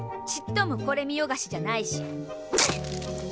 ちっともこれ見よがしじゃないし。